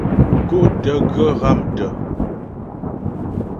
Gó'tə̂ ghə ghámtə́.